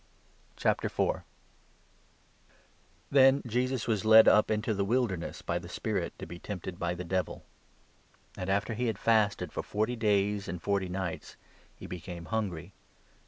The Then Jesus was led up into the Wilderness by the i Temptation Spirit to be tempted by the Devil. And, after he 2 of Jesus. iiatj fasted for forty days and forty nights, he became hungry.